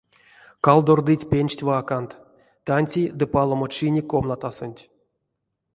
Калдордыть пенчть-вакант, тантей ды палома чине комнатасонть.